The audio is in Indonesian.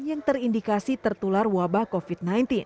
yang terindikasi tertular wabah covid sembilan belas